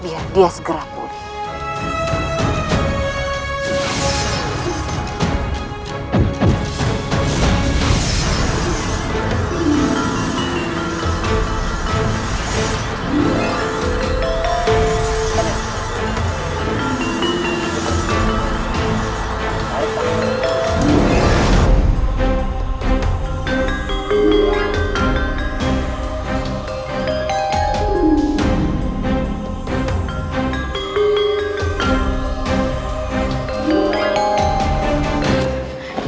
biar dia segera pulih